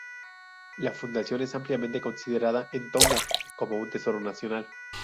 La fundación es ampliamente considerada en Tonga como un tesoro nacional.